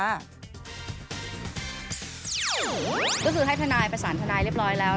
ก็คือให้ทนายประสานทนายเรียบร้อยแล้ว